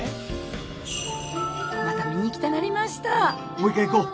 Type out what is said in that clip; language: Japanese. もう一回行こう。